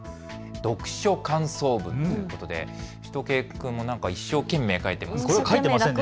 読書感想文ということで、しゅと犬くんも何か一生懸命書いていますね。